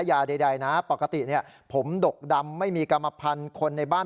ยาใดนะปกติเนี่ยผมดกดำไม่มีกรรมพันธุ์คนในบ้าน